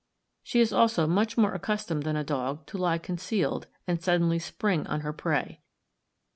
She is also much more accustomed than a dog to lie concealed and suddenly spring on her prey.